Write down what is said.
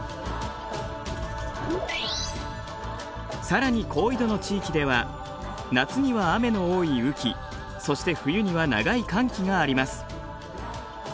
さらに高緯度の地域では夏には雨の多い雨季そして冬には長い乾季があります。